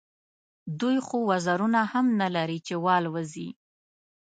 دوی خو وزرونه هم نه لري چې والوزي.